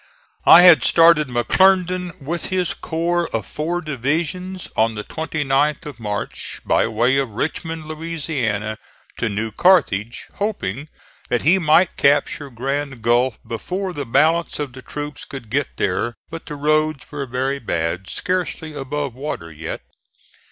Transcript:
I had started McClernand with his corps of four divisions on the 29th of March, by way of Richmond, Louisiana, to New Carthage, hoping that he might capture Grand Gulf before the balance of the troops could get there; but the roads were very bad, scarcely above water yet.